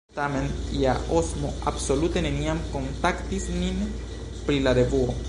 Tamen ja Osmo absolute neniam kontaktis nin pri la revuo.